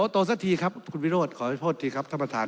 โตสักทีครับคุณวิโรธขอให้โทษทีครับท่านประธาน